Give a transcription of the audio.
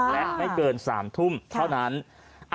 และไม่เกิน๓ทุ่มเท่านั้น